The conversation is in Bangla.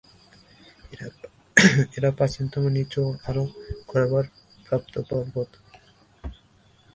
এরা প্রাচীনতম, নিচু এবং আরও ক্ষয়প্রাপ্ত পর্বত।